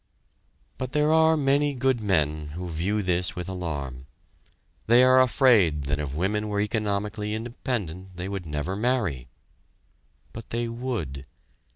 But there are many good men who view this with alarm. They are afraid that if women were economically independent they would never marry. But they would.